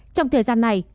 trong thời gian này